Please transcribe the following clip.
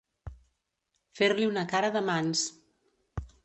Fer-li una cara de mans.